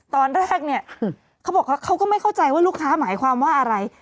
ตอนแรกเนี่ยเขาบอกเขาก็ไม่เข้าใจว่าลูกค้าหมายความว่าอะไร